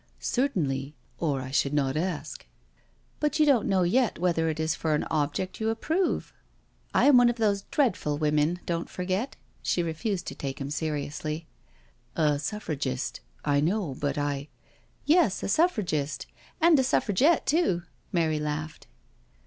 *• Certainly, or I should not ask "" But — you don't know yet whether it is for an object you approve. I am one of those * dreadful women,' don't forget." She refused to take him seriously. •' A Suffragist— I know, but I '"" Yes, a Suffragist and a Suffragette too." Mary laughed.